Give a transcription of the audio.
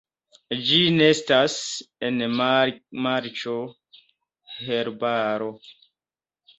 Ĝi nestas en marĉo, herbaro.